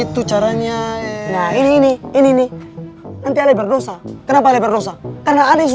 yuk yuk terus terus